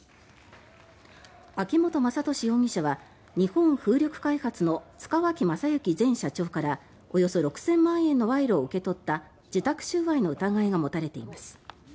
秋本真利容疑者は日本風力開発の塚脇正幸前社長からおよそ６０００万円の賄賂を受け取った受託収賄の疑いが持たれています。